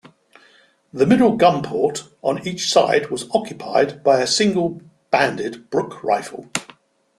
The middle gun port on each side was occupied by a single-banded, Brooke rifle.